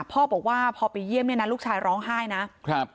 พ่อบอกว่าพอไปเยี่ยมเนี่ยนะลูกชายร้องไห้นะครับ